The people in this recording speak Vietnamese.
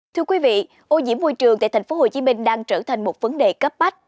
thưa quý vị ô nhiễm môi trường tại tp hcm đang trở thành một vấn đề cấp bách